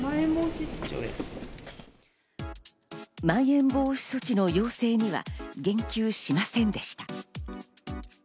まん延防止措置の要請には言及しませんでした。